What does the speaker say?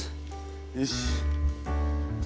よし。